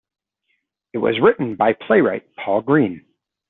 It was written by playwright Paul Green.